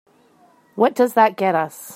What does that get us?